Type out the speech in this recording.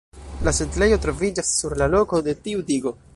La setlejo troviĝas sur la loko de tiu digo.